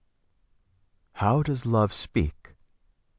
How does Love speak?